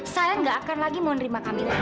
saya gak akan lagi mau nerima camilla disini